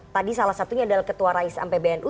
tadi salah satunya adalah ketua rais ampe bnu